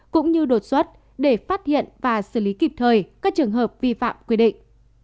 cũng như đột xuất để phát hiện và xử lý kịp thời các trường hợp vi phạm quy định